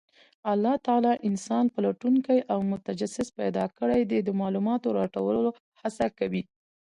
الله تعالی انسان پلټونکی او متجسس پیدا کړی دی، د معلوماتو راټولولو هڅه کوي.